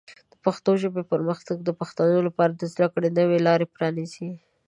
د پښتو ژبې پرمختګ د پښتنو لپاره د زده کړې نوې لارې پرانیزي.